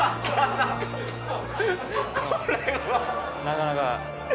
なかなか。